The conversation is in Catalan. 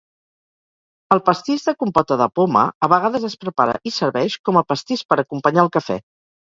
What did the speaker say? El pastís de compota de poma a vegades es prepara i serveix com a pastís per acompanyar el cafè.